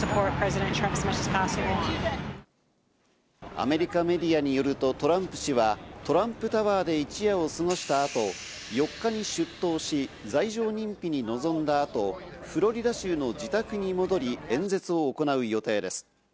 アメリカメディアによるとトランプ氏は、トランプタワーで一夜を過ごした後、４日に出頭し、罪状認否にのぞんだ後、フロリダ州の自宅に戻り、演説を行う予定です。